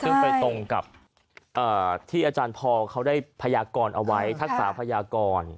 ซึ่งไปตรงกับที่อาจารย์พอเขาได้พยากรเอาไว้ทักษะพยากร